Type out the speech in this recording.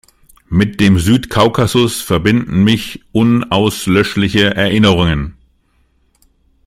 Mit dem Südkaukasus verbinden mich unauslöschliche Erinnerungen.